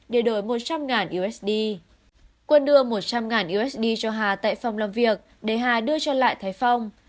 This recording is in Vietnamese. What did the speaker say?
để đổi một trăm linh usd quân đưa một trăm linh usd cho hà tại phòng làm việc để hà đưa cho lại thái phong